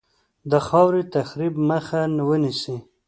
د خاورې د تخریب مخه ونیسي.